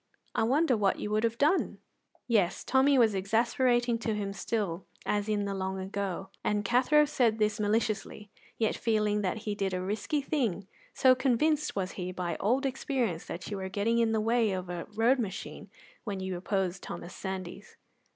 I wonder what you would have done?" Yes, Tommy was exasperating to him still as in the long ago, and Cathro said this maliciously, yet feeling that he did a risky thing, so convinced was he by old experience that you were getting in the way of a road machine when you opposed Thomas Sandys.